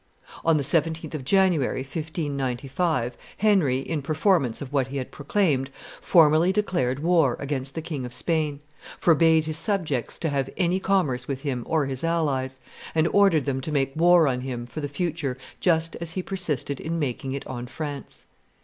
On the 17th of January, 1595, Henry, in performance of what he had proclaimed, formally declared war against the King of Spain, forbade his subjects to have any com merce with him or his allies, and ordered them to make war on him for the future just as he persisted in making it on France.